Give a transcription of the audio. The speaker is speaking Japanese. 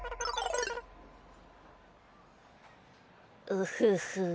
ウフフ。